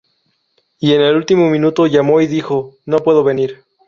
Y en el último minuto llamó y dijo: 'No puedo venir'".